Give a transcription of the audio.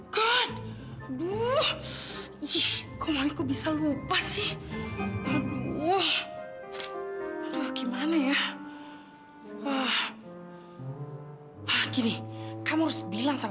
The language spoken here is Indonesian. kalau lora sih ada di kamarnya